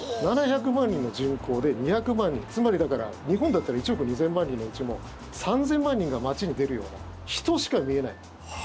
７００万人の人口で２００万人つまり、日本だったら１億２０００万人のうち３０００万人が街に出るような人しか見えない。